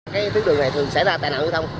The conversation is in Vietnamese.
cái tiết đường này thường xảy ra tại nạn giao thông